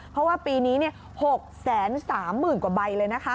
เพราะว่าปีนี้๖๓๐๐๐กว่าใบเลยนะคะ